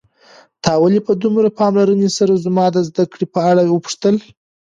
تا ولې په دومره پاملرنې سره زما د زده کړو په اړه وپوښتل؟